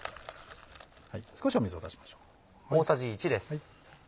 少し水を足しましょう。